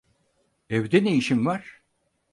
Evde ne işin var?